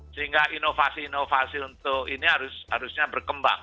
sehingga inovasi inovasi untuk ini harusnya berkembang